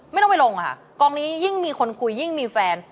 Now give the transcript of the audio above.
ไม่ต้องไปลงค่ะกองนี้ยิ่งมีคนคุยยิ่งมีแฟน